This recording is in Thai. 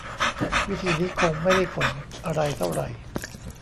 วิธีนี้คงไม่ได้ผลอะไรเท่าไหร่